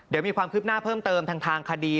เดี๋ยวมีความคืบหน้าเพิ่มเติมทางคดี